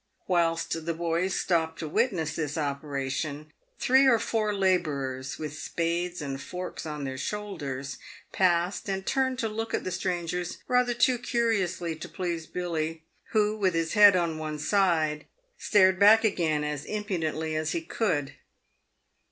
"Whilst the boys stopped to witness this operation, three or four labourers, with spades and forks on their shoulders, passed and turned to look at the strangers rather too curiously to please Billy, who, with his head on one side, stared back again as impudently as he could.